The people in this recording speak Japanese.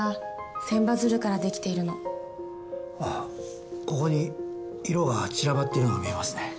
ああここに色が散らばっているのが見えますね。